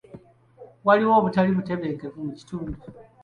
Waliwo obutali butebenkevu mu kitundu.